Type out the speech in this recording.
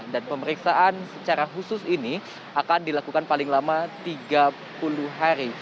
pemeriksaan secara khusus ini akan dilakukan paling lama tiga puluh hari